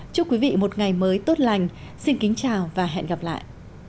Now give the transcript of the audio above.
chúc quý vị một ngày mới tốt lành xin kính chào và hẹn gặp lại